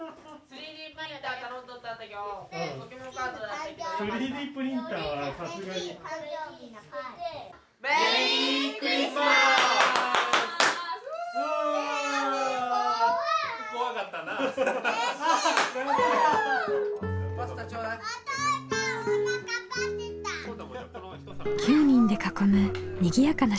９人で囲むにぎやかな食卓です。